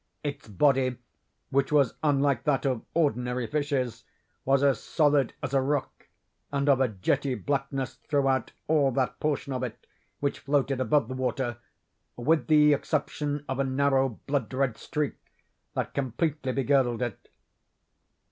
Its body, which was unlike that of ordinary fishes, was as solid as a rock, and of a jetty blackness throughout all that portion of it which floated above the water, with the exception of a narrow blood red streak that completely begirdled it.